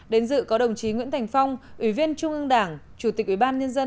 đến dự có đồng chí nguyễn thành phong ủy viên trung ương đảng